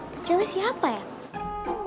itu cewek siapa ya